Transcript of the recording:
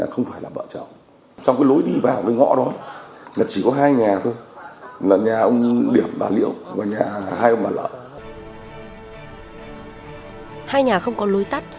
hai nhà không có lối tắt